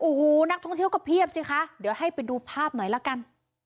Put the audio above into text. โอ้โหนักท่องเที่ยวก็เพียบสิคะเดี๋ยวให้ไปดูภาพหน่อยละกัน